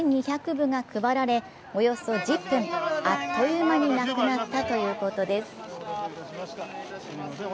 部が配られおよそ１０分、あっという間になくなったということです。